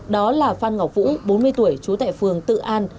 đó là phan ngọc vũ bốn mươi tuổi trú tại phường tự an